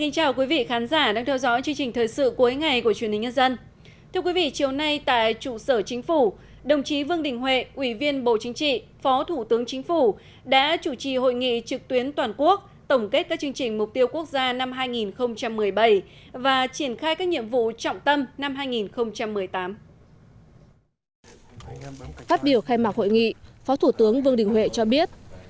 chào mừng quý vị đến với bộ phim hãy nhớ like share và đăng ký kênh của chúng mình nhé